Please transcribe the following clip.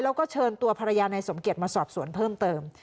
แล้วก็เชิญตัวภรรยานายสมเกียจมาสอบสวนเพิ่มเติม